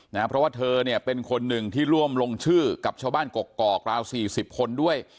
เพราะว่าเธอเนี่ยเป็นคนหนึ่งที่ร่วมลงชื่อกับชาวบ้านกกอกราวสี่สิบคนด้วย